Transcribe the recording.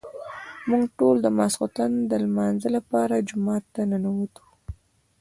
موږ ټول د ماسخوتن د لمانځه لپاره جومات ته ننوتو.